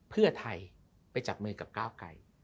เพื่อไทยไปจับมือกับก้าวไกร